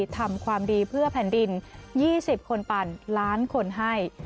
ทำความดีเพื่อแผ่นดิน๒๐คนปั่นล้านคนให้